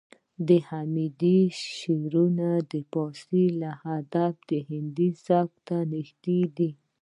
د حمید شعرونه د پارسي ادب هندي سبک ته نږدې دي